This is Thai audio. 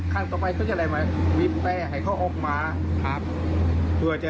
ครั้งต่อไปด่วนไอ้เขาออกมา